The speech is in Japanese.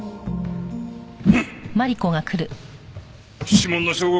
指紋の照合